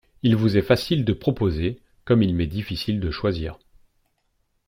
Il vous est facile de proposer, comme il m’est difficile de choisir.